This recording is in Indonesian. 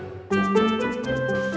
sabar dulu ya